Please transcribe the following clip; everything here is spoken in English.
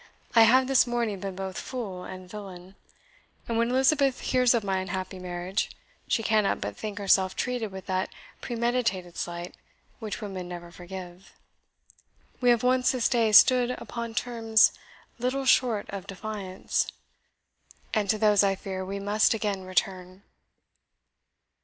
"I have this morning been both fool and villain; and when Elizabeth hears of my unhappy marriage, she cannot but think herself treated with that premeditated slight which women never forgive. We have once this day stood upon terms little short of defiance; and to those, I fear, we must again return."